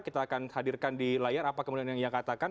kita akan hadirkan di layar apa kemudian yang ia katakan